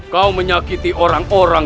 kau menyakiti orang orang